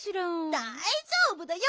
だいじょうぶだよ！